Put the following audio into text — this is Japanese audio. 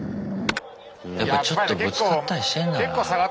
やっぱちょっとぶつかったりしてんだな。